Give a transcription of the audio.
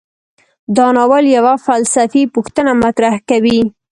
دا ناول یوه فلسفي پوښتنه مطرح کوي.